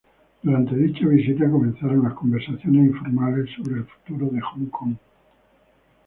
Durante dicha visita, comenzaron las conversaciones informales sobre el futuro de Hong Kong.